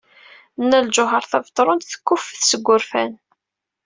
Nna Lǧuheṛ Tabetṛunt tekkuffet seg wurfan.